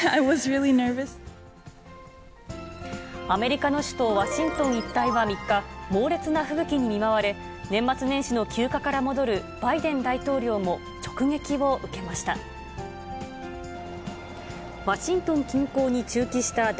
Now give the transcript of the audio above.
アメリカの首都、ワシントン一帯は３日、猛烈な吹雪に見舞われ、年末年始の休暇から戻るバイデン大統領も直撃を受けました。